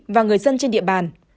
và người dân trên địa bàn